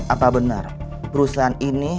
apa benar perusahaan ini